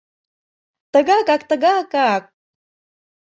Тыгакак, тыгакак!